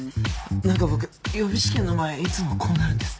なんか僕予備試験の前いつもこうなるんです。